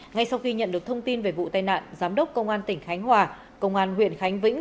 ngay sau khi nhận được thông tin về vụ tai nạn giám đốc công an tỉnh khánh hòa công an huyện khánh vĩnh